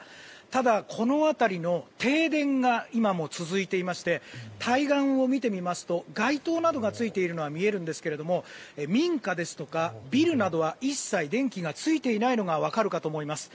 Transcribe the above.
ただ、この辺りの停電が今も続いていまして対岸を見てみますと街灯などがついているのは見えるんですが民家ですとか、ビルなどは一切電気がついていないのがわかるかと思います。